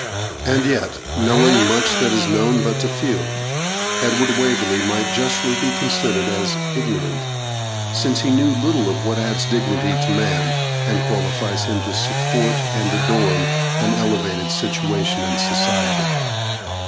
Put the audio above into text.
And yet, knowing much that is known but to few, Edward Waverley might justly be considered as ignorant, since he knew little of what adds dignity to man, and qualifies him to support and adorn an elevated situation in society.